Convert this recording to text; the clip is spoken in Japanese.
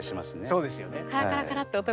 そうですね。